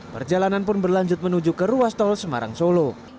perjalanan pun berlanjut menuju ke ruas tol semarang solo